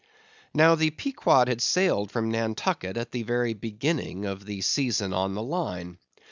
Now, the Pequod had sailed from Nantucket at the very beginning of the Season on the Line.